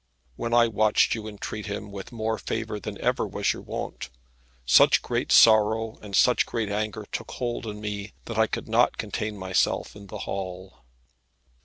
When I watched you entreat him with more favour than even was your wont, such great sorrow and such great anger took hold on me, that I could not contain myself in the hall."